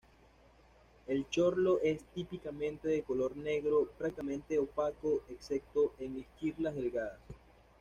El chorlo es típicamente de color negro, prácticamente opaco excepto en esquirlas delgadas.